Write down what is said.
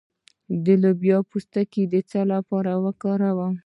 د لوبیا پوستکی د څه لپاره وکاروم؟